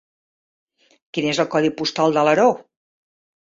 Quin és el codi postal d'Alaró?